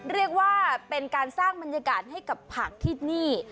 เรียกว่าเป็นการสร้างบรรยากาศให้กับผักที่นี่